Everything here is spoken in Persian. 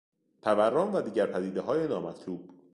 تورم و دیگر پدیدههای نامطلوب